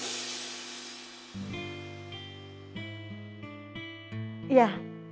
jadi kita berkabar ya